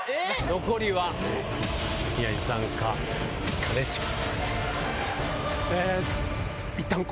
残りは宮治さんか、兼近か。